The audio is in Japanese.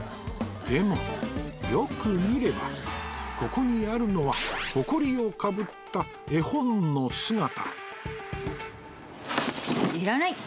でもよく見ればここにあるのはホコリをかぶった絵本の姿